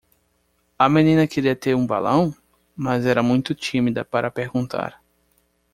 A menina queria ter um balão?, mas era muito tímida para perguntar.